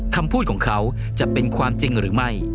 คำพูดของเขาจะเป็นความจริงหรือไม่